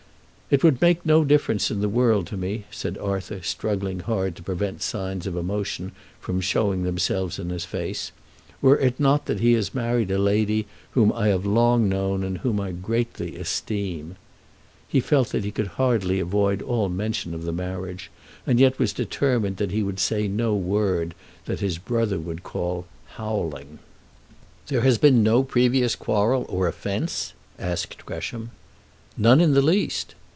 "It would make no difference in the world to me," said Arthur, struggling hard to prevent signs of emotion from showing themselves in his face, "were it not that he has married a lady whom I have long known and whom I greatly esteem." He felt that he could hardly avoid all mention of the marriage, and yet was determined that he would say no word that his brother would call "howling." "There has been no previous quarrel, or offence?" asked Gresham. "None in the least."